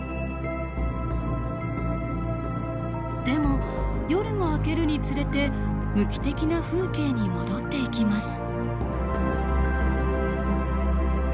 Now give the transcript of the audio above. でも夜が明けるにつれて無機的な風景に戻っていきます。